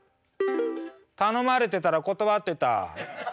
「頼まれてたら断ってた」。